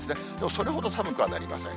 それほど寒くはなりません。